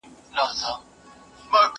وتاته یې نیولي وې لېمې چي ته راتلې